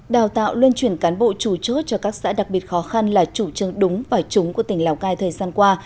đào tạo luân chuyển cán bộ chủ chốt cho các xã đặc biệt khó khăn là chủ trương đúng vài trúng của tỉnh lào cai thời gian qua